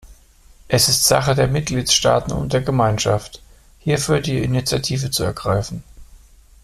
Es ist Sache der Mitgliedstaaten und der Gemeinschaft, hierfür die Initiative zu ergreifen.